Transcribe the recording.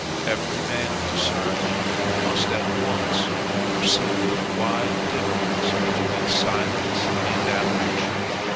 Every man of discernment must at once perceive the wide difference between silence and abolition.